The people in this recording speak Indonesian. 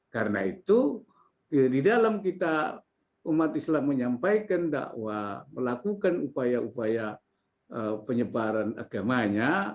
karena itu di dalam kita umat islam menyampaikan dakwah melakukan upaya upaya penyebaran agamanya